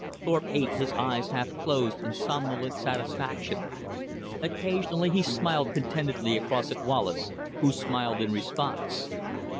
Thorpe ate, his eyes half closed, in somnolent satisfaction. Occasionally he smiled contentedly across at Wallace, who smiled in response.